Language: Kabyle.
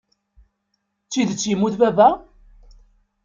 D tidet yemmut baba?